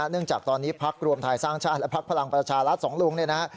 เนื่องจากตอนนี้พรรครวมไทยสร้างชาติและพรรคพลังประชาลัทธ์สองลุงเนี่ยนะฮะ